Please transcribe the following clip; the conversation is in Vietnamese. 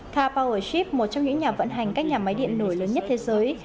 car powership một trong những nhà vận hành các nhà máy điện nổi lớn nhất thế giới